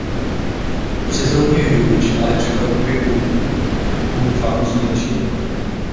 Po sezóně Hughes ale překvapivě u Fulhamu skončil.